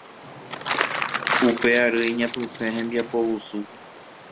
Upe ary iñapysẽ hembiapovusu